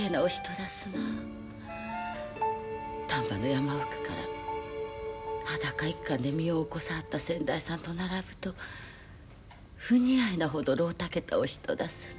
丹波の山奥から裸一貫で身を起こさはった先代さんと並ぶと不似合いなほどろうたけたお人だすなあ。